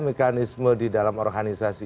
mekanisme di dalam organisasi